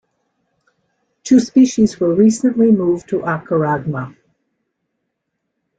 Two species were recently moved to "Acharagma".